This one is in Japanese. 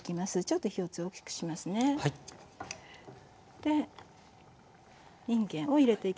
でいんげんを入れていきます。